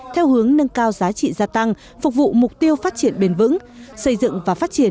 theo hướng nâng cao giá trị gia tăng phục vụ mục tiêu phát triển bền vững xây dựng và phát triển